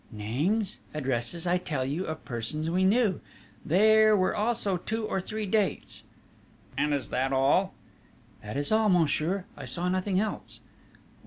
"Names, addresses, I tell you, of persons we knew. There were also two or three dates...." "And is that all?" "That is all, monsieur: I saw nothing else!"